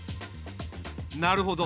なるほど。